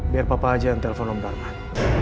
biar papa aja yang telepon om darman